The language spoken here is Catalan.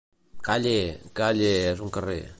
—Calle! —Calle és un carrer.